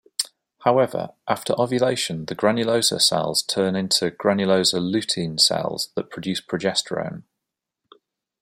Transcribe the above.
However, after ovulation the granulosa cells turn into granulosa lutein cells that produce progesterone.